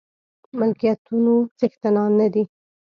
ملکيتونو څښتنان نه دي.